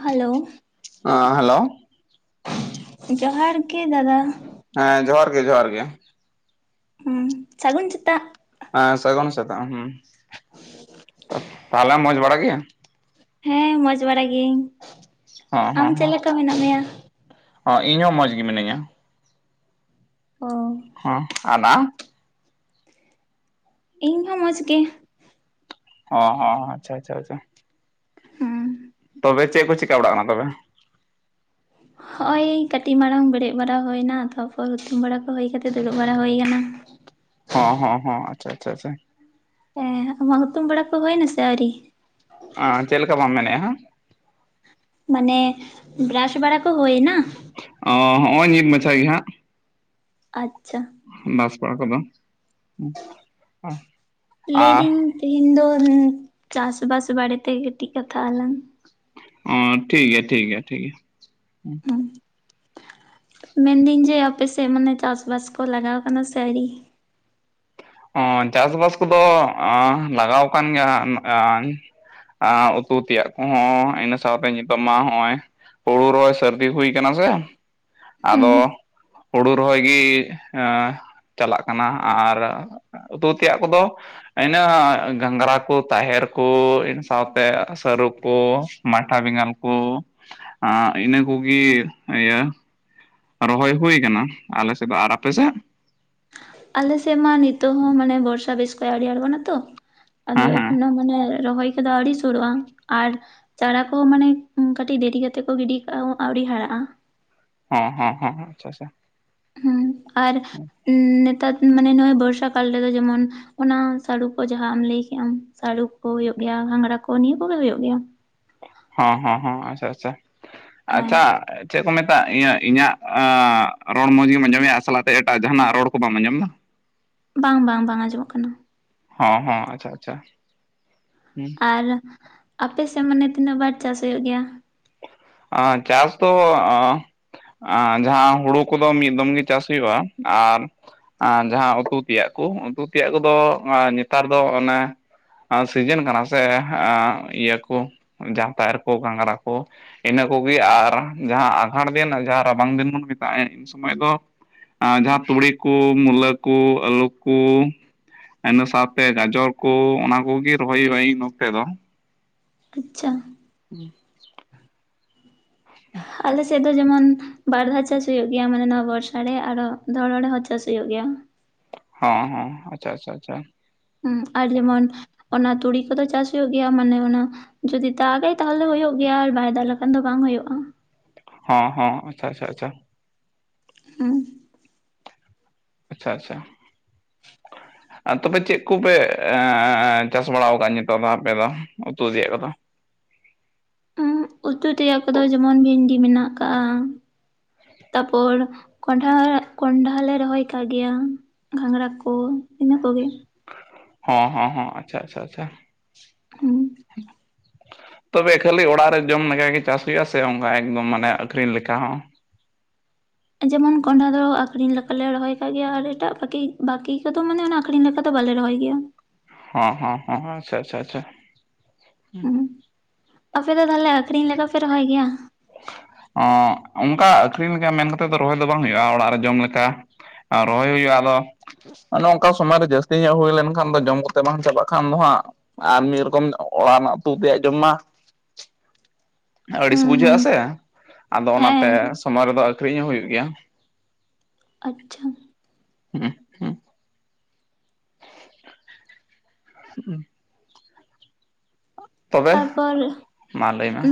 Hello. ᱚᱸ hello. ᱡᱚᱦᱟᱨ ᱜᱮ ᱫᱟᱫᱟ᱾ ᱦᱮᱸ ᱡᱚᱦᱟᱨ ᱜᱮ ᱡᱚᱦᱟᱨ ᱜᱮ᱾ ᱦᱩᱸ ᱥᱟᱹᱜᱩᱱ ᱥᱮᱛᱟᱜ᱾ ᱦᱮᱸ ᱥᱟᱹᱜᱩᱱ ᱥᱮᱛᱟᱜ, ᱦᱩᱸ ᱛᱟᱦᱞᱮ ᱢᱚᱸᱡᱽ ᱵᱟᱲᱟ ᱜᱮᱭᱟ? ᱦᱮᱸ ᱢᱚᱸᱡᱽ ᱵᱟᱲᱟ ᱜᱤᱭᱟᱹᱧ ᱾ ᱦᱚᱸ ᱦᱚᱸ ᱦᱚᱸ, ᱦᱚ ᱤᱧ ᱦᱚᱸ ᱢᱚᱸᱡᱽ ᱜᱮ ᱢᱤᱱᱟᱹᱧᱟ᱾ ᱚ᱾ ᱦᱩᱸ ᱟᱨ ᱤᱧ ᱦᱚᱸ ᱢᱚᱡᱽ ᱜᱮ᱾ ᱦᱚᱸ ᱦᱚᱸ ᱦᱚᱸ ᱟᱪᱪᱷᱟ ᱟᱪᱪᱷᱟ ᱟᱪᱪᱷᱟ᱾ ᱦᱩᱸ, ᱛᱚᱵᱮ ᱪᱮᱫ ᱠᱚ ᱪᱤᱠᱟ ᱵᱟᱲᱟᱜ ᱠᱟᱱᱟ ᱛᱚᱵᱮ? [unintelligible] ᱱᱚ-ᱚᱭ ᱠᱟᱹᱴᱤᱡ ᱢᱟᱲᱟᱝ ᱵᱮᱨᱮᱫ ᱵᱟᱲᱟ ᱦᱩᱭ ᱮᱱᱟ ᱛᱟᱯᱚᱨ ᱦᱩᱛᱩᱢ ᱵᱟᱲᱟ ᱠᱚ ᱦᱩᱭ ᱠᱟᱛᱮ ᱫᱩᱲᱩᱵ ᱵᱟᱲᱟ ᱦᱩᱭ ᱠᱟᱱᱟ᱾ ᱦᱚᱸ ᱦᱚᱸ ᱦᱚᱸ ᱟᱪᱪᱷᱟ ᱟᱪᱪᱷᱟ ᱟᱪᱪᱷᱟ᱾ ᱦᱮᱸ ᱟᱢᱟᱜ ᱦᱩᱛᱩᱢ ᱵᱟᱲᱟ ᱠᱚ ᱦᱩᱭᱱᱟ ᱥᱮ ᱟᱹᱣᱨᱤ? ᱚᱸ ᱪᱮᱫ ᱞᱮᱠᱟ ᱵᱟᱢ ᱢᱮᱱᱮᱜᱼᱟ ᱦᱟᱸᱜ ᱢᱟᱱᱮ ᱵᱨᱟᱥ ᱵᱟᱲᱟ ᱠᱚ ᱦᱳᱭᱱᱟ? ᱚ ᱦᱸᱚᱜᱼᱚᱭ ᱱᱤᱛ ᱢᱟᱪᱷᱟ ᱜᱮ ᱦᱟᱸᱜ᱾ ᱟᱪᱪᱷᱟ᱾ [unintelligible] ᱟᱨ ᱞᱟᱹᱭᱫᱟᱹᱧ ᱛᱮᱦᱮᱧ ᱫᱚ ᱪᱟᱥᱵᱟᱥ ᱵᱟᱨᱮᱛᱮ ᱠᱟᱹᱴᱤᱡ ᱠᱟᱛᱷᱟᱜ ᱟᱞᱟᱝ᱾ ᱚ ᱴᱷᱤᱠ ᱜᱮᱭᱟ ᱴᱷᱤᱠ ᱜᱮᱭᱟ ᱴᱷᱤᱠ ᱜᱮᱭᱟ᱾ [unintelligible] ᱢᱮᱱᱫᱟᱹᱧ ᱡᱮ ᱟᱯᱮᱥᱮᱜ ᱢᱟᱱᱮ ᱪᱟᱥᱵᱟᱥ ᱠᱚ ᱞᱟᱜᱟᱣ ᱠᱟᱱᱟ ᱥᱮ ᱟᱣᱨᱤ? ᱚ ᱪᱟᱥᱵᱟᱥ ᱠᱚᱫᱚ ᱞᱟᱜᱟᱣ ᱟᱠᱟᱱ ᱜᱮᱭᱟ ᱦᱟᱸᱜ᱾ ᱟᱸᱜ ᱩᱛᱩ ᱛᱮᱭᱟᱜ ᱠᱚᱦᱚᱸ ᱤᱱᱟᱹ ᱥᱟᱶᱛᱮ ᱱᱤᱛᱚᱜ ᱢᱟ ᱱᱚᱜᱼᱚᱭ ᱦᱩᱲᱩ ᱨᱚᱦᱚᱭ ᱥᱟᱹᱨᱫᱤ ᱦᱩᱭ ᱠᱟᱱᱟ ᱥᱮ, ᱦᱩᱸ ᱟᱫᱚ ᱦᱩᱲᱩ ᱨᱚᱦᱚᱭ ᱜᱤ ᱪᱟᱞᱟᱜ ᱠᱟᱱᱟ, ᱟᱨ ᱩᱛᱩ ᱛᱮᱭᱟᱜ ᱠᱚᱫᱚ ᱤᱱᱟᱹ ᱜᱷᱟᱸᱜᱽᱨᱟ ᱠᱩ ᱛᱟᱦᱮᱨ ᱠᱩ ᱤᱱᱟᱹ ᱥᱟᱶᱛᱮ ᱥᱟᱹᱨᱩ ᱠᱩ, ᱢᱟᱴᱷᱟ ᱵᱮᱸᱜᱟᱲ ᱠᱚ ᱤᱱᱟᱹ ᱠᱩᱜᱤ ᱤᱭᱟᱹ ᱨᱚᱦᱚᱭ ᱦᱩᱭ ᱠᱟᱱᱟ ᱟᱞᱮᱥᱮᱜ ᱫᱚ ᱟᱨ ᱟᱯᱮ ᱥᱮᱫ? ᱟᱞᱮᱥᱮᱜ ᱢᱟ ᱱᱤᱛᱚᱜ ᱦᱚᱸ ᱢᱟᱱᱮ ᱵᱚᱨᱥᱟ ᱵᱮᱥ ᱠᱷᱚᱡ ᱟᱹᱣᱨᱤ ᱟᱸᱬᱜᱚᱱᱟ ᱛᱚ᱾ ᱟᱫᱚ ᱦᱮᱸ ᱦᱮᱸ ᱮᱠᱷᱚᱱᱳ ᱢᱟᱱᱮ ᱨᱚᱦᱚᱭ ᱠᱚᱫᱚ ᱟᱣᱨᱤ ᱥᱩᱨᱩᱜᱼᱟ, ᱟᱨ ᱪᱟᱨᱟ ᱠᱚ ᱢᱟᱱᱮ ᱠᱟᱹᱴᱤᱡ ᱰᱮᱨᱤ ᱠᱟᱛᱮᱜ ᱠᱚ ᱜᱤᱰᱤ ᱠᱟᱜᱼᱟ ᱟᱹᱣᱨᱤ ᱦᱟᱨᱟᱜᱼᱟ᱾ ᱦᱮᱸ ᱦᱮᱸ ᱦᱮᱸ ᱟᱪᱷᱟ ᱟᱪᱷᱟ, ᱦᱩᱸ ᱟᱨ ᱱᱮᱛᱟᱨ ᱢᱟᱱᱮ ᱱᱚᱜᱚᱭ ᱵᱚᱨᱥᱟ ᱠᱟᱞ ᱨᱮᱫᱚ ᱡᱮᱢᱚᱱ ᱚᱱᱟ ᱥᱟᱲᱩ ᱠᱚ ᱡᱟᱦᱟᱸ ᱟᱢ ᱞᱟᱹᱭ ᱠᱮᱜ ᱟᱢ ᱥᱟᱲᱩ ᱠᱚ ᱦᱩᱭᱩᱜ ᱜᱮᱭᱟ ᱜᱷᱟᱸᱜᱽᱨᱟ ᱠᱚ ᱱᱤᱭᱟᱹ ᱠᱚᱜᱮ ᱦᱩᱭᱩᱜ ᱜᱮᱭᱟ᱾ ᱦᱚᱸ ᱦᱚᱸ ᱦᱚᱸ ᱟᱪᱪᱷᱟ ᱟᱪᱪᱷᱟ, ᱦᱮᱸ ᱟᱪᱪᱷᱟ᱾ ᱪᱮᱫ ᱠᱚ ᱢᱮᱛᱟᱜᱼᱟ ᱤᱭᱟᱹ ᱤᱧᱟᱹᱜ ᱨᱚᱲ ᱢᱚᱡᱽᱜᱮᱢ ᱟᱸᱡᱚᱢᱮᱜᱼᱟ ᱥᱟᱞᱟᱜ ᱛᱮ ᱮᱴᱟᱜ ᱡᱟᱦᱟᱱᱟᱜ ᱨᱚᱲ ᱠᱚ ᱵᱟᱢ ᱟᱸᱡᱚᱢᱫᱟ? ᱵᱟᱝ ᱵᱟᱝ ᱵᱟᱝ ᱟᱸᱡᱚᱢᱚᱜ ᱠᱟᱱᱟ᱾ ᱦᱚᱸ ᱦᱚᱸ ᱟᱪᱪᱷᱟ ᱟᱪᱪᱷᱟ, ᱦᱩᱸ ᱟᱨ ᱟᱯᱮ ᱥᱮᱜ ᱢᱟᱱᱮ ᱛᱤᱱᱟᱹᱜ ᱵᱟᱨ ᱪᱟᱥ ᱦᱳᱭᱳᱜ ᱜᱮᱭᱟ? ᱟᱻ ᱪᱟᱥ ᱫᱚ ᱟᱸᱻ ᱟᱨ ᱡᱟᱦᱟ ᱦᱩᱲᱩ ᱠᱚᱫᱚ ᱢᱤᱫ ᱫᱚᱢ ᱜᱮ ᱪᱟᱥ ᱦᱩᱭᱩᱜᱼᱟ, ᱟᱨ ᱟᱨ ᱡᱟᱸᱦᱟ ᱩᱛᱩ ᱛᱮᱭᱟᱜ ᱠᱩ ᱩᱛᱩ ᱛᱮᱭᱟᱜ ᱠᱚᱫᱚ ᱱᱮᱛᱟᱨ ᱫᱚ ᱚᱱᱮ ᱥᱤᱡᱮᱱ ᱠᱟᱱᱟ ᱥᱮ ᱤᱭᱟᱹ ᱠᱩ ᱡᱟᱛᱭᱟᱨ ᱠᱩ ᱜᱷᱟᱸᱜᱽᱨᱟ ᱠᱩ, ᱤᱱᱟᱹ ᱠᱚᱜᱤ ᱟᱨ ᱡᱟᱦᱟ ᱟᱸᱜᱷᱟᱲ ᱫᱤᱱ ᱡᱟᱦᱟᱸ ᱨᱟᱵᱟᱝ ᱫᱤᱱ ᱵᱚᱱ ᱢᱮᱛᱟᱜ-ᱟ ᱩᱱ ᱥᱚᱢᱚᱭ ᱫᱚ ᱟᱨ ᱡᱟᱸᱦᱟ ᱛᱩᱲᱤ ᱠᱩ ᱢᱩᱞᱟᱹ ᱠᱩ ᱟᱹᱞᱩ ᱠᱩ, ᱤᱱᱟᱹ ᱥᱟᱶᱛᱮ ᱜᱟᱡᱚᱨ ᱠᱩ ᱚᱱᱟ ᱠᱚᱜᱤ ᱨᱚᱦᱚᱭ ᱦᱩᱭᱩᱜᱼᱟ ᱤᱱ ᱱᱚᱛᱮ ᱫᱚ᱾ ᱟᱪᱪᱷᱟ, [unintelligible] [unintelligible] ᱟᱞᱮ ᱥᱮᱫ ᱫᱚ ᱡᱮᱢᱚᱱ ᱵᱟᱨ ᱫᱷᱟᱣ ᱪᱟᱥ ᱦᱳᱭᱳᱜ ᱜᱮᱭᱟ ᱢᱟᱱᱮ ᱱᱚᱣᱟ ᱵᱚᱨᱥᱟ ᱨᱮ ᱟᱨᱚ ᱫᱷᱚᱨᱚᱱ ᱨᱮᱦᱚ ᱪᱟᱥ ᱦᱩᱭᱩᱜ ᱜᱮᱭᱟ᱾ ᱦᱚᱸ ᱦᱚᱸ ᱟᱪᱪᱷᱟ ᱟᱪᱪᱷᱟ ᱟᱪᱪᱷᱟ᱾ ᱦᱩᱸ ᱟᱨ ᱡᱮᱢᱚᱱ ᱚᱱᱟ ᱛᱩᱲᱤ ᱠᱚᱫᱚ ᱪᱟᱥ ᱦᱩᱭᱩᱜ ᱜᱮᱭᱟ ᱢᱟᱱᱮ ᱚᱱᱟ ᱡᱩᱫᱤ ᱫᱟᱜᱟᱭ ᱛᱟᱦᱚᱞᱮ ᱦᱳᱭᱳᱜ ᱜᱮᱭᱟ ᱟᱨ ᱵᱟᱭ ᱫᱟᱜ ᱞᱮᱠᱷᱟᱱ ᱫᱚ ᱵᱟᱝ ᱦᱳᱭᱳᱜᱼᱟ᱾ ᱦᱚᱸ ᱦᱚᱸ ᱟᱪᱪᱷᱟ ᱟᱪᱪᱷᱟ ᱟᱪᱪᱷᱟ᱾ ᱦᱩᱸ᱾ ᱟᱪᱪᱷᱟ ᱟᱪᱪᱷᱟ᱾ [unintelligible] ᱟᱨ ᱛᱚᱵᱮ ᱪᱮᱫ ᱠᱚᱯᱮ ᱪᱟᱥ ᱵᱟᱲᱟᱣ ᱟᱠᱟᱜᱼᱟ ᱱᱤᱛᱚᱜ ᱫᱚ ᱟᱯᱮ ᱫᱚ ᱩᱛᱩ ᱛᱮᱭᱟᱜ ᱠᱚᱫᱚ? ᱩᱸ ᱩᱛᱩ ᱛᱮᱭᱟᱜ ᱠᱚᱫᱚ ᱡᱮᱢᱚᱱ ᱵᱷᱤᱱᱰᱤ ᱢᱮᱱᱟᱜ ᱟᱠᱟᱜ, ᱛᱟᱯᱚᱨ ᱠᱚᱸᱰᱷᱟ ᱠᱚᱸᱰᱷᱟ ᱞᱮ ᱨᱚᱦᱚᱭ ᱠᱟᱜ ᱜᱮᱭᱟ ᱜᱷᱟᱸᱜᱽᱨᱟ ᱠᱚ ᱤᱱᱟᱹ ᱠᱚᱜᱮ᱾ ᱦᱚᱸ ᱦᱚᱸ ᱟᱪᱪᱷᱟ ᱟᱪᱪᱷᱟ ᱟᱪᱪᱷᱟ᱾ ᱦᱩᱸ ᱛᱚᱵᱮ ᱠᱷᱟᱹᱞᱤ ᱚᱲᱟᱜ ᱨᱮ ᱡᱚᱢ ᱞᱮᱠᱷᱟ ᱜᱮ ᱪᱟᱥ ᱪᱮᱜ ᱟ ᱥᱮ ᱚᱱᱠᱟ ᱮᱠᱫᱚᱢ ᱢᱟᱱᱮ ᱟᱹᱠᱷᱨᱤᱧ ᱞᱮᱠᱟ ᱦᱚᱸ ᱡᱮᱢᱚᱱ ᱠᱚᱸᱰᱷᱟ ᱫᱚ ᱟᱠᱷᱨᱤᱧ ᱞᱮᱠᱟᱞᱮ ᱨᱚᱦᱚᱭ ᱠᱟᱜ ᱜᱮᱭᱟ ᱟᱨ ᱮᱴᱟ ᱵᱟᱠᱤ ᱵᱟᱠᱤ ᱠᱚᱫᱚ ᱢᱟᱱᱮ ᱚᱱᱟ ᱟᱠᱷᱨᱤᱧ ᱞᱮᱠᱟ ᱫᱚ ᱵᱟᱞᱮ ᱨᱚᱦᱚᱭ ᱜᱮᱭᱟ ᱦᱸᱸ ᱦᱮᱸ ᱟᱪᱷᱟ ᱟᱪᱷᱟ ᱟᱪᱷᱟ ᱦᱩᱸ ᱟᱯᱮ ᱫᱚ ᱛᱟᱦᱞᱮ ᱟᱠᱷᱨᱤᱧ ᱞᱮᱠᱟ ᱯᱮ ᱨᱚᱦᱚᱭ ᱜᱮᱭᱟ ᱮᱫ ᱚᱱᱠᱟ ᱟᱹᱠᱷᱨᱤᱧ ᱞᱮᱠᱟ ᱢᱮᱱ ᱠᱟᱛᱮᱫ ᱫᱚ ᱨᱚᱦᱚᱭ ᱫᱚ ᱵᱟᱝ ᱦᱩᱭᱩᱜᱼᱟ ᱚᱲᱟᱜ ᱨᱮ ᱡᱚᱢ ᱞᱮᱠᱟ ᱨᱚᱦᱚᱭ ᱦᱩᱭᱩᱜ ᱟ ᱟᱫᱚ ᱚᱱᱮ ᱚᱱᱠᱟ ᱥᱚᱢᱚᱭ ᱨᱮ ᱡᱟᱹᱥᱛᱤ ᱧᱚᱜ ᱦᱩᱭ ᱞᱮᱱᱠᱷᱟᱱ ᱫᱚ ᱡᱚᱢ ᱠᱟᱛᱮ ᱵᱟᱝ ᱪᱟᱵᱟᱜ ᱠᱷᱟᱱ ᱫᱚ ᱦᱟᱸᱜ ᱟᱨ ᱢᱤᱫ ᱨᱚᱠᱚᱢ ᱚᱲᱟᱜ ᱨᱮᱱᱟᱜ ᱩᱛᱩ ᱛᱮᱭᱟᱜ ᱡᱚᱢ ᱢᱟ ᱟᱹᱲᱤᱥ ᱦᱩᱸ ᱵᱩᱡᱷᱟᱹᱜ ᱦᱩᱸ ᱟ ᱥᱮ ᱟᱫᱚ ᱚᱱᱟᱛᱮ ᱦᱮᱸ ᱥᱚᱢᱚᱭ ᱨᱮᱫᱚ ᱟᱹᱷᱨᱤᱧ ᱦᱚᱸ ᱦᱩᱭᱩᱜ ᱜᱮᱭᱟ ᱟᱪᱪᱷᱟ ᱦᱮᱸ ᱦᱮᱸ ᱦᱩᱸ ᱛᱚᱵᱮ ᱛᱟᱨᱯᱚᱨ ᱢᱟ ᱞᱟᱹᱭ ᱢᱮ ᱩ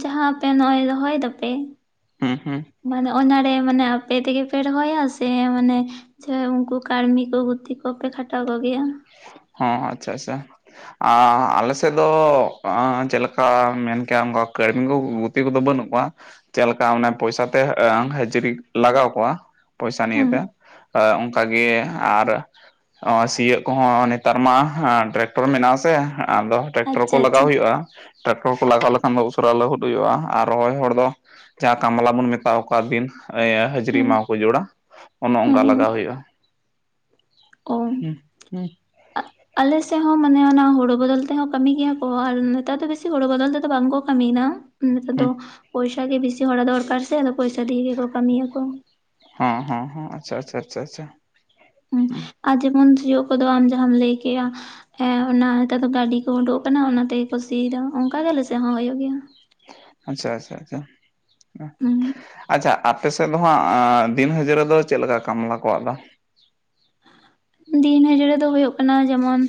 ᱡᱟᱦᱟᱸ ᱟᱯᱮ ᱱᱚᱜ ᱚᱭ ᱨᱚᱦᱚᱭ ᱫᱚᱯᱮ ᱦᱩᱸ ᱦᱩᱸ ᱢᱟᱱᱮ ᱚᱱᱟᱨᱮ ᱢᱟᱱᱮ ᱟᱯᱮ ᱛᱮᱜᱮ ᱯᱮ ᱨᱚᱦᱚᱭᱟ ᱥᱮ ᱢᱟᱱᱮ ᱪᱮ ᱩᱱᱠᱩ ᱠᱟᱹᱲᱢᱤ ᱠᱚ ᱜᱩᱛᱤ ᱠᱚᱯᱮ ᱠᱷᱟᱴᱟᱣ ᱠᱚᱜᱮᱭᱟ? ᱚ ᱟᱪᱷᱟ ᱟᱪᱷᱟ ᱟ ᱟᱞᱮ ᱥᱮᱫ ᱫᱚ ᱪᱮᱫᱞᱮᱠᱟ ᱢᱮᱱ ᱠᱮᱭᱟ ᱠᱟᱹᱲᱢᱤ ᱠᱚ ᱜᱩᱛᱤ ᱠᱚᱫᱚ ᱵᱟᱹᱱᱩᱜ ᱠᱚᱣᱟ ᱪᱮᱫ ᱞᱮᱠᱟ ᱚᱱᱮ ᱯᱚᱭᱥᱟᱛᱮ ᱦᱟᱹᱡᱨᱤᱢ ᱞᱟᱜᱟᱣ ᱠᱚᱣᱟ ᱯᱚᱭᱥᱟ ᱦᱩᱸ ᱱᱤᱭᱮᱛᱮ ᱮ ᱚᱱᱠᱟᱜᱮ ᱟᱨ ᱥᱤᱭᱳᱜ ᱠᱚᱦᱚᱸ ᱱᱮᱛᱟᱨ ᱢᱟ ᱴᱨᱟᱠᱴᱚᱨ ᱢᱮᱱᱟᱜ ᱟᱥᱮ ᱟᱫᱚ ᱴᱨᱟᱠᱴᱚᱨ ᱠᱚ ᱟᱪᱪᱷᱟ ᱞᱟᱜᱟᱣ ᱟᱪᱪᱷᱟ ᱦᱩᱭᱩᱜᱼᱟ ᱴᱨᱟᱠᱴᱚᱨ ᱠᱚ ᱞᱟᱜᱟᱣ ᱞᱮᱠᱷᱟᱱ ᱫᱚ ᱩᱥᱟᱹᱨᱟ ᱞᱟᱹᱦᱩᱫ ᱦᱩᱭᱩᱜᱼᱟ ᱟᱨ ᱨᱚᱦᱚᱭ ᱦᱚᱲ ᱫᱚ ᱡᱟᱦᱟᱸ ᱠᱟᱢᱞᱟ ᱵᱚᱱ ᱢᱮᱛᱟ ᱟᱠᱚ ᱟᱵᱤᱱ ᱦᱟᱹᱡᱨᱤ ᱦᱩᱸ ᱢᱟ ᱠᱚ ᱡᱚᱲᱟ ᱚᱱᱮ ᱚᱱᱠᱟ ᱦᱩᱸ ᱦᱩᱸ ᱞᱟᱜᱟᱣ ᱦᱩᱭᱩᱜᱼᱟ ᱚ ᱦᱩ ᱦᱩ ᱟᱞᱮ ᱥᱮᱫ ᱦᱚᱸ ᱢᱟᱱᱮ ᱚᱱᱟ ᱦᱳᱲᱳ ᱵᱚᱫᱚᱞ ᱛᱮᱦᱚᱸ ᱠᱟᱹᱢᱤ ᱜᱮᱭᱟ ᱠᱚ ᱟᱨ ᱱᱮᱛᱟᱨ ᱫᱚ ᱵᱮᱥᱤ ᱦᱳᱲᱳ ᱵᱚᱫᱚᱞ ᱛᱮᱫᱚ ᱵᱟᱝ ᱠᱚ ᱠᱟᱹᱢᱤᱭ ᱫᱟ᱾ ᱱᱮᱛᱟᱨ ᱫᱚ ᱦᱩᱸ ᱯᱚᱭᱥᱟ ᱜᱮ ᱵᱤᱥᱤ ᱦᱚᱲᱟᱜ ᱫᱚᱨᱠᱟᱨ ᱥᱮ ᱟᱫᱚ ᱯᱚᱭᱥᱟ ᱫᱤᱭᱮ ᱜᱮᱠᱚ ᱠᱟᱹᱢᱤᱭᱟᱠᱚ ᱦᱮᱸ ᱦᱮᱸ ᱦᱮ ᱟᱪᱷᱟ ᱟᱪᱷᱟ ᱟᱪᱷᱟ ᱟᱨ ᱡᱮᱢᱚᱱ ᱡᱳᱜ ᱠᱚᱫᱚ ᱟᱢ ᱡᱟᱸᱦᱟᱢ ᱞᱟᱹᱭ ᱠᱮᱜᱼᱟ ᱦᱮᱸ ᱚᱱᱟ ᱱᱮᱛᱟᱨ ᱫᱚ ᱜᱟᱹᱰᱤ ᱠᱚ ᱩᱰᱩᱠ ᱟᱠᱟᱱᱟ ᱚᱱᱟ ᱛᱮᱜᱮᱠᱚ ᱥᱤᱭᱫᱟ ᱚᱱᱠᱟ ᱜᱮ ᱟᱞᱮᱥᱮ ᱦᱚᱸ ᱦᱩᱭᱩᱜ ᱜᱮᱭᱟ ᱟᱪᱪᱷᱟ ᱟᱪᱪᱷᱟ ᱟᱪᱪᱷᱟ ᱦᱩᱸ ᱟᱪᱪᱷᱟ ᱟᱯ ᱟᱯᱮᱥᱮᱫ ᱫᱚ ᱦᱟᱸᱜ ᱫᱤᱱᱦᱟᱹᱡᱟᱹᱨ ᱨᱮ ᱫᱚ ᱪᱮᱫ ᱞᱮᱠᱟ ᱠᱟᱢᱞᱟ ᱠᱚᱣᱟᱜ ᱫᱚ ᱫᱤᱱ ᱦᱟ. ᱡᱲᱟ. ᱫᱚ ᱦᱳᱭᱳᱜ ᱠᱟᱱᱟ ᱡᱮᱢᱚᱱ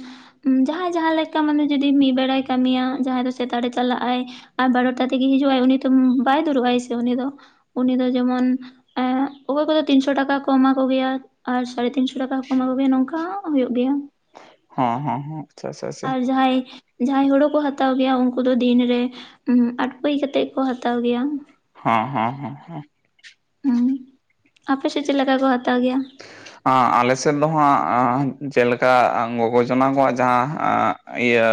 ᱡᱟᱦᱟᱸᱭ ᱡᱟᱦᱟᱸ ᱞᱮᱠᱟ ᱢᱟᱱᱮ ᱡᱩᱫᱤ ᱢᱤᱫ ᱵᱮᱲᱟᱭ ᱠᱟᱹᱢᱤᱭᱟ ᱡᱟᱦᱟᱸᱭ ᱫᱚ ᱥᱮᱛᱟᱜ ᱨᱮ ᱪᱟᱞᱟᱜ ᱟᱭ ᱟᱨ ᱵᱟᱨᱚᱴᱟ ᱛᱮᱜᱮ ᱦᱤᱡᱩᱜ ᱟᱭ ᱩᱱᱤ ᱛᱚ ᱵᱟᱭ ᱫᱩᱲᱩᱵ ᱟᱭ ᱥᱮ ᱩᱱᱤ ᱫᱚ ᱩᱱᱤ ᱫᱚ ᱡᱮᱢᱚᱱ ᱮ ᱚᱠᱚᱭ ᱠᱚᱫᱚ ᱛᱤᱱᱥᱚ ᱴᱟᱠᱟ ᱠᱚ ᱮᱢᱟ ᱠᱚ ᱜᱮᱭᱟ ᱟᱨ ᱥᱟᱲᱮ ᱛᱤᱱᱥᱚ ᱴᱟᱠᱟ ᱚᱱᱟ ᱠᱚᱜᱮ ᱱᱚᱝᱠᱟ ᱦᱳᱭᱳᱜ ᱜᱮᱭᱟ ᱦᱚᱸ ᱦᱚᱸ ᱦᱚᱸ ᱟᱪᱪᱷᱟ ᱟᱪᱪᱷᱟ ᱟᱨ ᱟᱪᱪᱷᱟ ᱡᱟᱦᱟᱸᱭ ᱡᱟᱦᱟᱸᱭ ᱦᱳᱲᱳ ᱠᱚ ᱦᱟᱛᱟᱣ ᱜᱮᱭᱟ ᱩᱱᱠᱩ ᱫᱚ ᱫᱤᱱᱨᱮ ᱟᱴᱯᱟᱹᱭ ᱠᱟᱛᱮᱜ ᱠᱚ ᱦᱟᱛᱟᱣ ᱜᱮᱭᱟ ᱦᱚᱸ ᱦᱚᱸ ᱦᱚᱸ ᱦᱚᱸ ᱦᱩᱸ ᱟᱯᱮ ᱥᱮᱫ ᱪᱮᱫ ᱞᱮᱠᱟ ᱠᱚ ᱦᱟᱛᱟᱣ ᱜᱮᱭᱟ ᱟ ᱟᱞᱮ ᱥᱮᱫ ᱫᱚ ᱦᱟᱸᱜ ᱡᱮᱞᱮᱠᱟ ᱜᱚᱜᱚ ᱡᱚᱱᱟ ᱠᱚᱣᱟᱜ ᱡᱟᱦᱟᱸ ᱤᱭᱟᱹ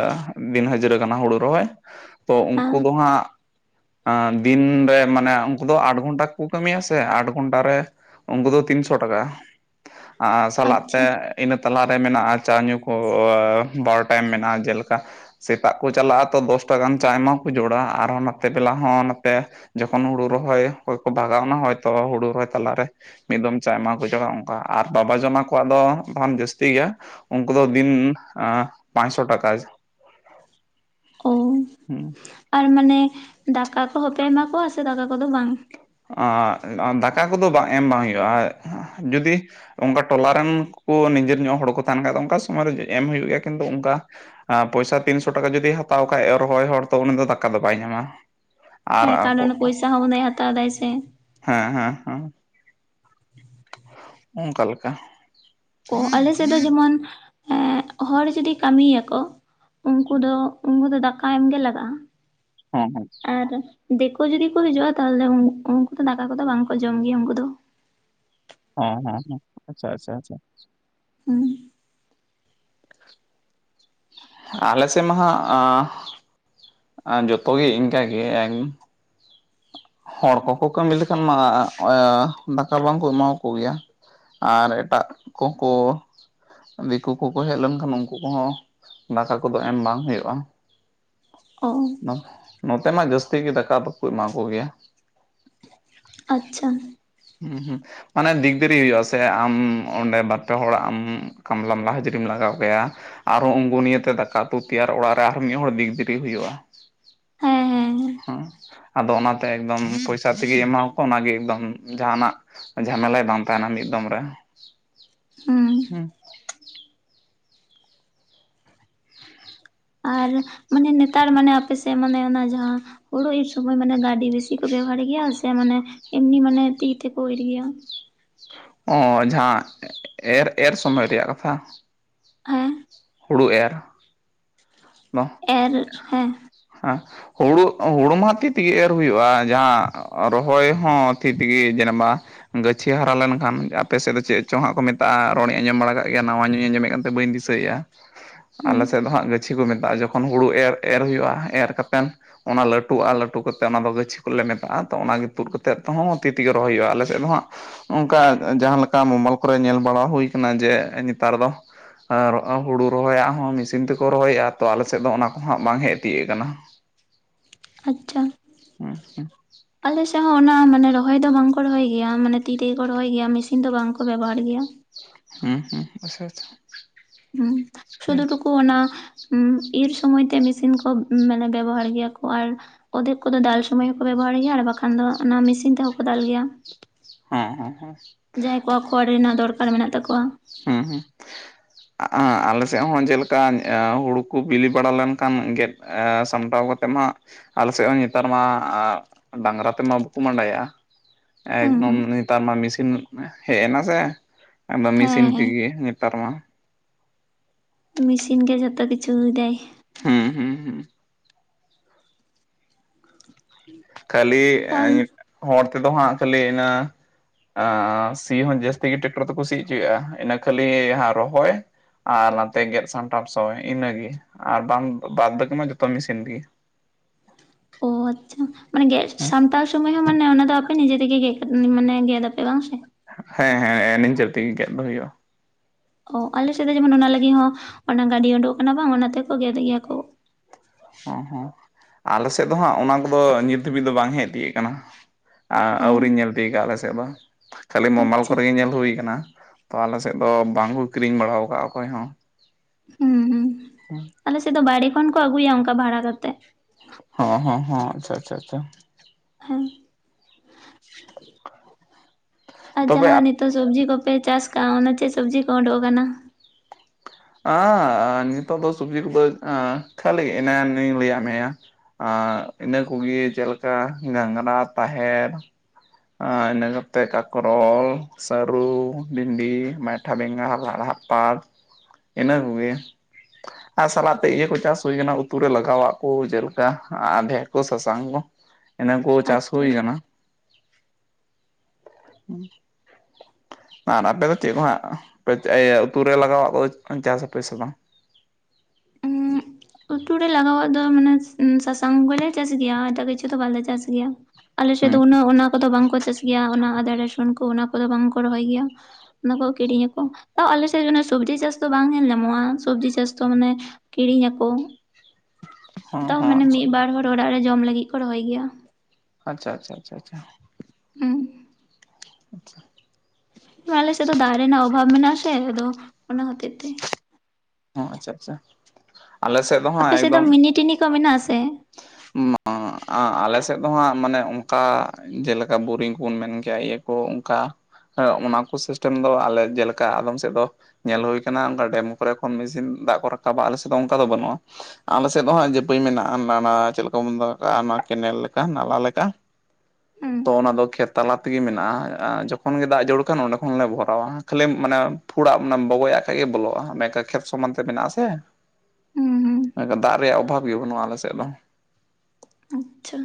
ᱫᱤᱱ ᱦᱟᱹᱡᱨᱟᱹ ᱠᱟᱱᱟ ᱦᱳᱲᱳ ᱨᱚᱦᱚᱭ [inaudible] ᱛᱚ ᱩᱱᱠᱩ ᱫᱚ ᱦᱟᱸᱜ ᱫᱤᱱ ᱨᱮ ᱢᱟᱱᱮ ᱩᱱᱠᱩ ᱫᱚ ᱟᱴ ᱜᱷᱚᱱᱴᱟᱠᱚ ᱠᱟᱹᱢᱤᱭᱟ ᱥᱮ, ᱟᱴ ᱜᱷᱚᱱᱴᱟ ᱨᱮ ᱩᱱᱠᱩ ᱫᱚ ᱛᱤᱱᱥᱚ ᱴᱟᱠᱟ, ᱟᱨ ᱥᱟᱞᱟᱜ ᱟᱪᱪᱷᱟ ᱛᱮ ᱤᱱᱟᱹ ᱛᱟᱞᱟ ᱨᱮ ᱢᱮᱱᱟᱜᱼᱟ ᱪᱟ ᱧᱩ ᱠᱚ ᱵᱟᱨ ᱴᱟᱭᱤᱢ ᱢᱮᱱᱟᱜᱼᱟ ᱡᱮ ᱞᱮᱠᱟ ᱥᱮᱛᱟᱜ ᱠᱚ ᱪᱟᱞᱟᱜᱼᱟ ᱛᱚ ᱫᱚᱥᱴᱟ ᱜᱟᱱ ᱪᱟ ᱢᱟ ᱠᱚ ᱡᱚᱲᱟ ᱟᱨ ᱦᱚᱸ ᱱᱚᱛᱮ ᱫᱮᱞᱟᱝ ᱦᱚᱸ ᱱᱚᱛᱮ ᱡᱚᱠᱷᱚᱱ ᱦᱩᱲᱩ ᱨᱚᱦᱚᱭ ᱠᱚ ᱠᱚ ᱵᱷᱟᱜᱟᱣᱱᱟ ᱦᱚᱭ ᱛᱚ, ᱦᱩᱲᱩ ᱨᱚᱦᱚᱭ ᱛᱟᱞᱟ ᱨᱮ ᱢᱤᱫ ᱫᱚᱢ ᱪᱟᱭ ᱮᱢᱟ ᱚᱱᱮ ᱚᱱᱠᱟ ᱟᱨ ᱵᱟᱵᱟ ᱡᱚᱱᱟᱜ ᱠᱚᱣᱟᱜ ᱫᱚ [unintelligible] ᱡᱟᱹᱥᱛᱤ ᱜᱮᱭᱟ ᱾ ᱩᱱᱠᱩ ᱫᱚ ᱫᱤᱱ ᱟᱻ ᱯᱟᱸᱪᱥᱚ ᱴᱟᱠᱟᱡᱽ ᱾ [inaudible] ᱚᱻ ᱦᱩᱸ ᱟᱨ ᱢᱟᱱᱮ, ᱫᱟᱠᱟ ᱠᱚᱦᱚᱸ ᱯᱮ ᱮᱢᱟ ᱠᱚᱣᱟ ᱥᱮ ᱫᱟᱠᱟ ᱠᱚ ᱫᱚ ᱵᱟᱝ? ᱟᱸᱻ ᱫᱟᱠᱟ ᱠᱚ ᱫᱚ ᱵᱟ ᱮᱢ ᱵᱟᱝ ᱦᱩᱭᱩᱜᱼᱟ ᱾ᱡᱩᱫᱤ ᱚᱱᱠᱟ ᱴᱚᱞᱟ ᱨᱮᱱ ᱠᱚ ᱱᱤᱡᱮᱨ ᱧᱚᱜ ᱦᱚᱲ ᱠᱚ ᱛᱟᱦᱮᱱ ᱠᱷᱟᱱ ᱫᱚ ᱚᱱᱠᱟ ᱥᱚᱢᱚᱭ ᱨᱮ ᱮᱢ ᱦᱩᱭᱩᱜ ᱜᱮᱭᱟ ᱠᱤᱱᱛᱩ ᱚᱱᱠᱟ ᱯᱚᱭᱥᱟ ᱛᱤᱱᱥᱚ ᱴᱟᱠᱟ ᱡᱩᱫᱤ ᱦᱟᱛᱟᱣ ᱟᱠᱟᱜᱼᱟᱭ ᱮᱱ ᱨᱮ ᱦᱚᱸ ᱦᱚᱲ ᱫᱚ ᱩᱱᱤ ᱫᱟᱠᱟ ᱫᱚ ᱵᱟᱭ ᱧᱟᱢᱟ ᱾ ᱦᱮᱸ ᱛᱟᱦᱞᱮ ᱢᱟᱱᱮ ᱯᱟᱭᱥᱟ ᱦᱚᱸ ᱢᱟᱱᱮ ᱦᱟᱛᱟᱣ ᱮᱫᱟᱭ ᱥᱤ ᱦᱮᱸ ᱦᱮᱸ ᱦᱮᱸ ᱾ ᱚᱱᱠᱟ ᱞᱮᱠᱟ ᱾ ᱚ ᱟᱞᱮ ᱥᱮᱫ ᱫᱚ ᱡᱮᱢᱚᱱ ᱮᱻ ᱦᱚᱲ ᱡᱩᱫᱤ ᱠᱟᱹᱢᱤ ᱭᱟᱠᱚ ᱩᱱᱠᱩ ᱫᱚ ᱩᱱᱤ ᱫᱚ ᱫᱟᱠᱟ ᱮᱢ ᱜᱮ ᱞᱟᱜᱟᱜᱼᱟ ᱾ [unintelligible] ᱟᱨ ᱫᱤᱠᱩ ᱡᱩᱫᱤ ᱠᱚ ᱦᱤᱡᱩᱜᱼᱟ ᱛᱟᱦᱚᱞᱮ ᱩᱱᱠᱩ ᱫᱚ ᱫᱟᱠᱟ ᱠᱚ ᱫᱚ ᱵᱟᱝ ᱠᱚ ᱡᱚᱢ ᱜᱮᱭᱟ ᱩᱱᱠᱩ ᱫᱚ ᱾ ᱦᱮᱸ ᱦᱮᱸ ᱦᱮᱸ ᱟᱪᱪᱷᱟ ᱟᱪᱪᱷᱟ ᱟᱪᱪᱷᱟ ᱾ [inaudible] ᱟᱞᱮ ᱥᱮᱫ ᱢᱟ ᱦᱟᱸᱜ ᱟᱸ ᱟᱨ ᱡᱚᱛᱚ ᱜᱮ ᱤᱱᱠᱟᱹ ᱜᱮ ᱦᱚᱲ ᱠᱚ ᱠᱚ ᱠᱟᱹᱢᱤ ᱞᱮᱠᱷᱟᱱ ᱢᱟ ᱟᱸ ᱫᱟᱠᱟ ᱵᱟᱝ ᱠᱚ ᱮᱢᱟ ᱠᱚ ᱜᱮᱭᱟ ᱾ ᱟᱨ ᱮᱴᱟᱜ ᱠᱚ ᱠᱚ ᱫᱤᱠᱩ ᱠᱚ ᱠᱚ ᱦᱮᱡ ᱞᱮᱱ ᱠᱷᱟᱱ ᱩᱱᱠᱩ ᱠᱚ ᱦᱚᱸ ᱫᱟᱠᱟ ᱠᱚ ᱫᱚ ᱮᱢ ᱵᱟᱝ ᱦᱩᱭᱩᱜᱼᱟ ᱾ ᱚ ᱱᱚᱛᱮ ᱢᱟ ᱡᱟᱹᱥᱛᱤ ᱜᱮ ᱫᱟᱠᱟ ᱫᱚ ᱠᱚ ᱮᱢᱟ ᱠᱚ ᱜᱮᱭᱟ ᱾ ᱟᱪᱪᱷᱟ ᱾ ᱦᱩᱸ ᱦᱩᱸ ᱢᱟᱱᱮ ᱫᱤᱱᱫᱤᱨᱤ ᱦᱩᱭᱩᱜᱼᱟ ᱥᱮ ᱟᱢ ᱚᱸᱰᱮ ᱵᱟᱨ-ᱯᱮ ᱦᱚᱲᱟᱜ ᱟᱢ ᱠᱟᱢᱞᱟᱢ ᱦᱟᱡᱽᱨᱤᱢ ᱞᱟᱜᱟᱣ ᱠᱟᱭᱟ ᱾ ᱟᱨᱦᱚᱸ [unintelligible] ᱱᱤᱭᱟᱹᱛᱮ ᱫᱟᱠᱟ ᱩᱛᱩ ᱛᱮᱭᱟᱨ ᱚᱲᱟᱜ ᱨᱮ ᱟᱨ ᱦᱚᱸ [unintelligible] ᱦᱩᱭᱩᱜᱼᱟ ᱾ [inaudible] ᱦᱮᱸ ᱟᱫᱚ ᱚᱱᱟ ᱛᱮ ᱮᱠᱫᱚᱢ ᱯᱚᱭᱥᱟ ᱛᱮ ᱜᱮ ᱮᱢᱟ ᱣᱟᱠᱚᱢ ᱚᱱᱟ ᱜᱮ ᱮᱠᱫᱚᱢ ᱡᱟᱦᱟᱸᱱᱟᱜ ᱡᱷᱟᱢᱮᱞᱟᱭ ᱵᱟᱝ ᱛᱟᱦᱮᱱᱟ ᱢᱤᱫ ᱫᱚᱢ ᱨᱮ ᱦᱩᱸ ᱾ ᱟᱨ ᱢᱟᱱᱮ ᱱᱮᱛᱟᱨ ᱢᱟᱱᱮ ᱟᱯᱮ ᱛᱮ ᱢᱟᱱᱮ ᱚᱱᱟ ᱡᱟᱦᱟᱸ ᱦᱩᱲᱩ ᱤᱨ ᱥᱚᱢᱚᱭ ᱢᱟᱱᱮ ᱜᱟᱹᱰᱤ ᱵᱮᱥᱤ ᱠᱚ ᱵᱮᱵᱚᱦᱟᱨ ᱜᱮᱭᱟ ᱥᱮ ᱢᱟᱱᱮ ᱮᱢᱱᱤ ᱢᱟᱱᱮ ᱛᱤ ᱛᱮ ᱠᱚ ᱤᱨ ᱜᱮᱭᱟ? ᱚ ᱡᱟᱦᱟᱸ ᱮᱨ ᱮᱨ ᱥᱚᱢᱚᱭ ᱨᱮᱭᱟᱜ ᱠᱟᱛᱷᱟ? ᱦᱮᱸ ᱦᱩᱲᱩ ᱮᱨ [inaudible] ᱮᱨ ᱦᱮᱸ ᱾ ᱦᱟᱸ ᱦᱩᱲᱩ ᱦᱩᱲᱩ ᱢᱟ ᱛᱤ ᱛᱮ ᱜᱮ ᱮᱨ ᱦᱩᱭᱩᱜᱼᱟ ᱡᱟᱦᱟᱸ ᱨᱚᱦᱚᱭ ᱦᱚᱸ ᱛᱤ ᱛᱮ ᱜᱮ ᱡᱟᱱᱢᱟ ᱜᱟᱹᱪᱷᱤ ᱦᱟᱨᱟ ᱞᱮᱱ ᱠᱷᱟᱱ ᱟᱯᱮ ᱥᱮᱫ ᱫᱚ ᱪᱮᱫ ᱪᱚᱝ ᱦᱟᱸᱜ ᱠᱚ ᱢᱮᱛᱟᱜᱼᱟ ᱨᱚᱲ ᱤᱧ ᱟᱸᱡᱚᱢ ᱵᱟᱲᱟ ᱠᱟᱜ ᱜᱮᱭᱟ, ᱱᱟᱶᱟ ᱜᱤᱧ ᱟᱸᱡᱚᱢᱮᱫ ᱠᱟᱱ ᱛᱮ ᱵᱟᱹᱧ ᱫᱤᱥᱟᱹ ᱫᱤᱥᱟᱹᱭᱮᱫᱼᱟ ᱦᱩᱸ ᱟᱞᱮ ᱥᱮᱫ ᱫᱚ ᱦᱟᱸᱜ ᱜᱟᱹᱪᱷᱤ ᱠᱚ ᱢᱮᱛᱟᱜᱼᱟ ᱡᱚᱠᱷᱚᱱ ᱦᱩᱲᱩ ᱮᱨ ᱮᱨ ᱦᱩᱭᱩᱜᱼᱟ, ᱮᱨ ᱠᱟᱛᱮᱱ ᱚᱱᱟ ᱞᱟᱹᱴᱩᱜᱼᱟ ᱞᱟᱹᱴᱩ ᱠᱟᱛᱮᱫ ᱚᱱᱟ ᱫᱚ ᱜᱟᱹᱪᱷᱤ ᱠᱚ ᱞᱮ ᱢᱮᱛᱟᱜᱼᱟ, ᱛᱚ ᱚᱱᱟ ᱜᱮ ᱛᱩᱫ ᱠᱟᱛᱮᱫ ᱛᱮᱦᱚᱸ ᱛᱤ ᱛᱮ ᱜᱮ ᱨᱚᱦᱚᱭ ᱦᱩᱭᱩᱜᱼᱟ ᱟᱞᱮ ᱥᱮᱫ ᱫᱚ ᱦᱟᱸᱜ᱾ ᱚᱱᱠᱟ ᱡᱟᱦᱟᱸ ᱞᱮᱠᱟ ᱢᱳᱵᱟᱭᱤᱞ ᱠᱚ ᱨᱮ ᱧᱮᱞ ᱵᱟᱲᱟ ᱦᱩᱭ ᱠᱟᱱᱟ ᱡᱮ ᱱᱮᱛᱟᱨ ᱫᱚ ᱟᱨ ᱦᱩᱲᱩ ᱨᱚᱦᱚᱭᱟᱜ ᱦᱚᱸ ᱢᱮᱥᱤᱱ ᱛᱮ ᱠᱚ ᱨᱚᱦᱚᱭᱟ ᱛᱚ ᱟᱞᱮ ᱥᱮᱫ ᱫᱚ ᱚᱱᱟ ᱠᱚ ᱦᱟᱸᱜ ᱵᱟᱝ ᱦᱮᱡ ᱛᱤᱭᱟᱹᱜ ᱟᱠᱟᱱᱟ᱾ ᱟᱪᱪᱷᱟ᱾ [unintelligible] ᱟᱞᱮ ᱥᱮᱫ ᱦᱚᱸ ᱚᱱᱟ ᱢᱟᱱᱮ ᱨᱚᱦᱚᱭ ᱫᱚ ᱵᱟᱝ ᱠᱚ ᱨᱚᱦᱚᱭ ᱜᱮᱭᱟ, ᱢᱟᱱᱮ ᱛᱤ ᱛᱮ ᱜᱮ ᱠᱚ ᱨᱚᱦᱚᱭ ᱜᱮᱭᱟ ᱢᱮᱥᱤᱱ ᱫᱚ ᱵᱟᱝ ᱠᱚ ᱵᱮᱵᱚᱦᱟᱨ ᱜᱮᱭᱟ᱾ ᱦᱩᱸ ᱦᱩᱸ ᱟᱪᱪᱟ ᱟᱪᱪᱟ ᱦᱩ ᱥᱩᱫᱩ ᱴᱩᱠᱩ ᱚᱱᱟ ᱤᱨ ᱥᱚᱢᱚᱭ ᱛᱮ ᱢᱮᱥᱤᱱ ᱠᱚ ᱢᱟᱱᱮ ᱵᱮᱵᱚᱦᱟᱨ ᱜᱮᱭᱟ ᱠᱚ, ᱟᱨ ᱚᱫᱷᱮᱠ ᱠᱚᱫᱚ ᱫᱟᱞ ᱥᱚᱢᱚᱭ ᱦᱚᱸᱠᱚ ᱵᱮᱵᱚᱦᱟᱨ ᱜᱮᱭᱟ, ᱟᱨ ᱵᱟᱠᱷᱟᱱ ᱫᱚ ᱚᱱᱟ ᱢᱮᱥᱤᱱ ᱛᱮᱦᱚᱸ ᱠᱚ ᱫᱟᱞ ᱜᱮᱭᱟ᱾ ᱦᱚᱸ ᱦᱚᱸ ᱦᱚᱸ ᱡᱟᱦᱟᱸᱭ ᱠᱚᱣᱟᱜ ᱠᱷᱚᱲ ᱨᱮᱱᱟᱜ ᱫᱚᱨᱠᱟᱨ ᱢᱮᱱᱟᱜ ᱛᱟᱠᱚᱣᱟ ᱦᱩᱸ ᱦᱩᱸ [unintelligible] ᱟᱞᱮ ᱥᱮᱫ ᱦᱚᱸ ᱡᱮᱞᱮᱠᱟ ᱦᱩᱲᱩ ᱠᱚ ᱵᱤᱞᱤ ᱵᱟᱲᱟ ᱞᱮᱱᱠᱷᱟᱱ ᱜᱮᱫ ᱥᱟᱢᱴᱟᱣ ᱠᱟᱛᱮᱫ ᱢᱟ ᱟᱞᱮ ᱥᱮᱫ ᱦᱚᱸ ᱱᱮᱛᱟᱨ ᱢᱟ ᱰᱟᱹᱝᱜᱨᱟ ᱛᱮᱢᱟ ᱵᱟᱠᱚ ᱢᱟᱸᱰᱟᱭᱟ᱾ ᱦᱩᱸ ᱮᱠᱫᱚᱢ ᱦᱩᱸ ᱱᱮᱛᱟᱨ ᱢᱟ ᱢᱤᱥᱤᱱ ᱦᱮᱡᱮᱱᱟ ᱥᱮ, ᱮᱠᱫᱚᱢ ᱢᱮᱥᱤᱱ ᱦᱮᱸ ᱛᱮᱜᱮ ᱦᱮᱸ ᱱᱮᱛᱟᱨ ᱢᱟ, ᱢᱮᱥᱤᱱ ᱜᱮ ᱡᱚᱛᱚ ᱠᱤᱪᱷᱩᱭ ᱫᱟᱭ᱾ ᱦᱮᱸ ᱦᱮᱸ ᱠᱷᱟᱹᱞᱤ ᱛᱟᱦᱚᱞ ᱦᱚᱲ ᱛᱮᱫᱚ ᱦᱟᱸᱜ ᱠᱷᱟᱹᱞᱤ ᱤᱱᱟᱹ ᱥᱤ ᱦᱚᱸ ᱡᱟᱹᱥᱛᱤ ᱜᱮ ᱴᱮᱠᱴᱟᱨ ᱛᱮᱠᱚ ᱥᱤ ᱦᱚᱪᱚᱭᱮᱫᱼᱟ ᱤᱱᱟᱹ ᱠᱷᱟᱹᱞᱤ ᱦᱟᱸᱜ ᱨᱚᱦᱚᱭ ᱟᱨ ᱱᱟᱛᱮ ᱜᱮᱫ ᱥᱟᱢᱴᱟᱣ ᱥᱚᱢᱚᱭ ᱤᱱᱟᱹᱜᱮ, ᱟᱨ ᱵᱟᱝ ᱵᱟᱫᱽ ᱵᱟᱠᱤ ᱢᱟ ᱡᱚᱛᱚ ᱢᱮᱥᱤᱱ ᱫᱤᱭᱮ ᱾ ᱚ ᱟᱪᱪᱷᱟ ᱢᱟᱱᱮ ᱜᱮᱫ ᱥᱟᱢᱴᱟᱣ ᱥᱩᱢᱟᱹᱭ ᱦᱚᱸ ᱢᱟᱱᱮ ᱚᱱᱟ ᱫᱚ ᱮ ᱱᱤᱡᱮ ᱛᱮᱜᱮ ᱜᱮ ᱢᱟᱱᱮ ᱜᱮᱫ ᱟᱯᱮ ᱵᱟᱝ ᱥᱮ᱾ ᱦᱮᱸ ᱦᱮᱸ ᱱᱤᱡᱟᱹᱨ ᱛᱮᱜᱮ ᱜᱮᱫ ᱫᱚ ᱦᱩᱭᱩᱜᱼᱟ᱾ ᱚ ᱟᱞᱮ ᱥᱮᱫ ᱫᱚ ᱡᱮᱢᱚᱱ ᱚᱱᱟ ᱞᱟᱹᱜᱤᱫ ᱦᱚᱸ ᱚᱱᱟ ᱜᱟᱹᱰᱤ ᱩᱰᱩᱠ ᱠᱟᱱᱟ ᱵᱟᱝ ᱚᱱᱟ ᱛᱮᱠᱚ ᱜᱮᱫ ᱜᱮᱭᱟ ᱠᱚ᱾ ᱦᱚᱸ ᱦᱚᱸ ᱟᱞᱮ ᱥᱮᱫ ᱫᱚ ᱦᱟᱸᱜ ᱚᱱᱟ ᱠᱚᱫᱚ ᱱᱤᱛ ᱫᱷᱟᱹᱵᱤᱡ ᱫᱚ ᱵᱟᱝ ᱦᱮᱡ ᱛᱤᱭᱜ ᱠᱟᱱᱟ᱾ ᱚ ᱟᱹᱣᱨᱤᱧ ᱧᱮᱞᱛᱤᱭᱜ-ᱟ ᱟᱞᱮ ᱥᱮᱫ ᱫᱚ ᱠᱷᱟᱹᱞᱤ ᱢᱳᱵᱟᱭᱤᱞ ᱟᱪᱪᱷᱟ ᱠᱚᱨᱮ ᱜᱮ ᱧᱮᱞ ᱦᱩᱭ ᱠᱟᱱᱟ᱾ ᱛᱚ ᱟᱞᱮ ᱥᱮᱫ ᱫᱚ ᱵᱟᱝᱠᱚ ᱠᱤᱨᱤᱧ ᱵᱟᱲᱟ ᱟᱠᱟᱫᱼᱟ ᱚᱠᱚᱭ ᱦᱚᱸ᱾ ᱦᱩᱸᱦᱩᱸ᱾ [unintelligible] ᱟᱞᱮ ᱥᱮᱫ ᱫᱚ ᱵᱟᱭᱨᱮ ᱠᱷᱚᱱ ᱠᱚ ᱟᱹᱜᱩᱭᱟ ᱚᱱᱠᱟ ᱵᱷᱟᱲᱟ ᱠᱟᱛᱮ᱾ ᱦᱚᱸ ᱦᱚᱸ ᱟᱪᱪᱷᱟ ᱟᱪᱪᱷᱟ ᱟᱪᱪᱷᱟ᱾ [unintelligible] ᱟᱨ ᱛᱚᱵᱮ ᱡᱟᱦᱟᱸ ᱱᱤᱛᱚᱜ ᱥᱚᱵᱽᱡᱤ ᱠᱚᱯᱮ ᱪᱟᱥ ᱟᱠᱟᱜ, ᱚᱱᱟ ᱪᱮᱫ ᱥᱚᱵᱽᱡᱤ ᱠᱚ ᱩᱰᱩ ᱟᱠᱟᱱᱟ᱾ ᱱᱤᱛᱚᱜ ᱫᱚ ᱥᱚᱵᱽᱡᱤ ᱠᱚᱫᱚ ᱠᱷᱟᱹᱞᱤ ᱮᱱᱟᱱᱤᱧ ᱞᱟᱹᱭᱟᱫ ᱢᱮᱭᱟ, ᱟᱨ ᱤᱱᱟᱹ ᱠᱚᱜᱮ ᱪᱮᱫᱮᱠᱟ ᱰᱟᱝᱜᱽᱨᱟ, ᱛᱟᱦᱮᱨ ᱟᱨ ᱤᱱᱟᱹ ᱠᱚᱛᱮ ᱠᱟᱠᱨᱚᱞ, ᱥᱟᱹᱨᱩ, ᱵᱷᱤᱱᱰᱤ, ᱢᱟᱴᱷᱟ, ᱵᱮᱸᱜᱟᱲ, ᱞᱟᱲᱦᱟ, [unintelligible] ᱤᱱᱟᱹ ᱠᱚᱜᱮ, ᱟᱨ ᱥᱟᱞᱟᱜ ᱛᱮ ᱤᱭᱟᱹ ᱠᱚ ᱪᱟᱥ ᱦᱩᱭ ᱠᱟᱱᱟ ᱩᱛᱩ ᱨᱮ ᱞᱟᱜᱟᱣᱟᱜ ᱠᱚ ᱡᱮᱞᱮᱠᱟ ᱟᱫᱷᱮᱨ ᱠᱚ ᱥᱟᱥᱟᱝ ᱠᱚ᱾ [unintelligible] ᱮᱱᱟ ᱠᱚ ᱪᱟᱥ ᱟᱪᱪᱷᱟ ᱦᱩᱭ ᱟᱠᱟᱱᱟ ᱾ [inaudible] ᱟᱨ ᱟᱯᱮ ᱫᱚ ᱪᱮᱫ ᱠᱚ ᱦᱟᱸᱜ ᱩᱛᱩ ᱨᱮ ᱞᱟᱜᱟᱣᱟᱜ ᱫᱚ ᱪᱟᱥᱟᱯᱮ ᱥᱮ ᱵᱟᱝ? ᱩᱛᱩ ᱨᱮ ᱞᱟᱜᱟᱣᱟᱜ ᱫᱚ ᱢᱟᱱᱮ ᱥᱟᱥᱟᱝ ᱜᱮᱞᱮ ᱪᱟᱥ ᱜᱮᱭᱟ ᱮᱴᱟᱜ ᱠᱤᱪᱷᱩ ᱫᱚ ᱵᱟᱞᱮ ᱪᱟᱥ ᱜᱮᱭᱟ ᱾ ᱟᱞᱮ ᱥᱮᱫ ᱦᱩᱸ ᱫᱚ ᱩᱱᱟᱹᱜ ᱚᱱᱟ ᱠᱚᱫᱚ ᱵᱟᱝ ᱠᱚ ᱪᱟᱥ ᱜᱮᱭᱟ ᱾ ᱚᱱᱟ ᱟᱫᱟ, ᱨᱟᱥᱩᱱ ᱠᱚ ᱚᱱᱟ ᱠᱚᱫᱚ ᱵᱟᱝ ᱠᱚ ᱨᱚᱦᱚᱭ ᱜᱮᱭᱟ ᱾ ᱚᱱᱟ ᱠᱚ ᱠᱤᱨᱤᱧ ᱟᱠᱚ ᱾ ᱛᱟᱣ ᱟᱞᱮ ᱥᱮᱫᱮ ᱥᱚᱵᱽᱡᱤ ᱪᱟᱥ ᱫᱚ ᱵᱟᱝ ᱧᱮᱞ ᱧᱟᱢᱚᱜᱼᱟ, ᱥᱚᱵᱽᱡᱤ ᱪᱟᱥ ᱫᱚ ᱢᱟᱱᱮ ᱠᱤᱨᱤᱧ ᱟᱠᱚ ᱾ ᱦᱚᱸ ᱛᱟᱣ ᱦᱚᱸ ᱢᱟᱱᱮ ᱟᱪᱪᱷᱟ ᱢᱤᱫ ᱵᱟᱨ ᱦᱚᱲ ᱚᱲᱟᱜ ᱨᱮ ᱡᱚᱢ ᱞᱟᱹᱜᱤᱫ ᱠᱚ ᱨᱚᱦᱚᱭ ᱜᱮᱭᱟ ᱾ ᱟᱪᱪᱷᱟ ᱟᱪᱪᱷᱟ ᱟᱪᱪᱷᱟ ᱟᱪᱪᱷᱟ ᱾ ᱦᱩᱸ ᱾ [inaudible] ᱟᱞᱮ ᱥᱮᱫ ᱫᱚ ᱫᱟᱨᱮ ᱨᱮᱱᱟᱜ ᱚᱵᱷᱟᱵ ᱢᱮᱱᱟᱜ ᱟᱥᱮ ᱟᱫᱚ ᱚᱱᱟ ᱦᱚᱛᱮᱡ ᱛᱮ ᱟᱪᱪᱷᱟ ᱟᱪᱪᱷᱟ, ᱟᱞᱮ ᱥᱮᱫ ᱫᱚ ᱟᱯᱮ ᱦᱟᱸᱜ ᱥᱮᱫ ᱫᱚ ᱢᱤᱱᱤ ᱴᱤᱱᱤ ᱠᱚ ᱢᱮᱱᱟᱜ ᱟᱥᱮ? ᱟᱞᱮᱥ ᱮᱫ ᱫᱚ ᱦᱟᱸᱜ ᱢᱟᱱᱮ ᱚᱱᱠᱟ ᱡᱮᱞᱮᱠᱟ ᱵᱳᱨᱤᱝ ᱠᱚᱵᱚᱱ ᱢᱮᱱ ᱠᱮᱭᱟ ᱤᱭᱟᱹ ᱚᱱᱠᱟ ᱚᱱᱟ ᱠᱚ ᱥᱤᱥᱴᱮᱢ ᱫᱚ ᱟᱞᱮ ᱡᱮᱞᱮᱠᱟ ᱟᱫᱚᱢ ᱥᱮᱫ ᱫᱚ ᱧᱮᱞ ᱦᱩᱭ ᱟᱠᱟᱱᱟ ᱚᱱᱠᱟ ᱰᱮᱢ ᱠᱚᱨᱮ ᱠᱷᱚᱱ ᱢᱮᱥᱤᱱ ᱫᱟᱜ ᱠᱚ ᱨᱟᱠᱟᱵᱟ ᱟᱞᱮ ᱥᱮᱫ ᱫᱚ ᱚᱱᱠᱟ ᱫᱚ ᱵᱟᱹᱱᱩᱜᱼᱟ ᱾ ᱟᱞᱮ ᱥᱮᱫ ᱫᱚ ᱦᱚᱸᱜ ᱡᱟᱹᱯᱟᱹᱭ ᱢᱮᱱᱟᱜᱼᱟ ᱱᱟᱞᱟ ᱪᱮᱫ ᱞᱮᱠᱟᱢ ᱵᱚᱱᱫᱚᱦ ᱠᱟᱜᱼᱟ ᱚᱱᱟ ᱠᱮᱱᱮᱞ ᱞᱮᱠᱟ, ᱱᱟᱞᱟ ᱞᱮᱠᱟ ᱾ ᱦᱮᱸ ᱾ ᱛᱚ ᱚᱱᱟ ᱫᱚ ᱠᱷᱮᱛ ᱛᱟᱞᱟ ᱛᱮᱜᱮ ᱢᱮᱱᱟᱜᱼᱟ, ᱡᱚᱠᱷᱚᱱ ᱜᱮ ᱫᱟᱜ ᱡᱟᱹᱲᱩᱲ ᱠᱷᱟᱱ ᱚᱸᱰᱮ ᱠᱷᱚᱱᱞᱮ ᱵᱷᱚᱨᱟᱣᱟ ᱾ ᱠᱷᱟᱹᱞᱤ ᱢᱟᱱᱮ ᱯᱷᱩᱲᱟᱜᱟᱱᱮ ᱵᱚᱜᱚᱟᱜ ᱠᱷᱟᱱ ᱜᱮ ᱵᱚᱞᱚᱜᱼᱟ, ᱢᱮᱱ ᱠᱷᱮᱛ ᱥᱚᱢᱟᱱ ᱛᱮ ᱢᱮᱱᱟᱜ ᱟᱥᱮ ᱾ ᱦᱩᱸ ᱦᱩᱸ ᱮᱠᱷᱟᱱ ᱫᱟᱜ ᱨᱮᱭᱟᱜ ᱚᱵᱷᱟᱵᱽ ᱜᱮ ᱵᱟᱹᱱᱩᱜᱼᱟ ᱟᱞᱮ ᱥᱮᱫ ᱫᱚ ᱾ ᱟᱪᱪᱷᱟ